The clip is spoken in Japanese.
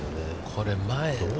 これ前。